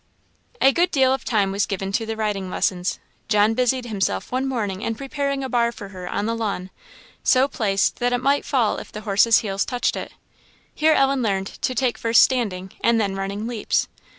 A good deal of time was given to the riding lessons. John busied himself one morning in preparing a bar for her on the lawn, so placed that it might fall if the horse's heels touched it. Here Ellen learned to take first standing, and then running leaps.